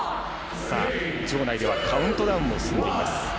場内ではカウントダウンも進んでいます。